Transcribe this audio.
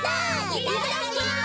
いただきます！